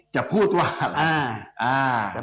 จะพูดว่าอะไร